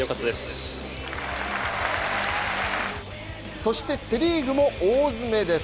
そしてセ・リーグも大詰めです。